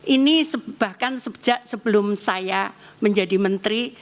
ini bahkan sejak sebelum saya menjadi menteri